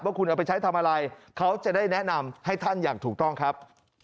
คุณเอาไปใช้ทำอะไรเขาจะได้แนะนำให้ท่านอย่างถูกต้องครับ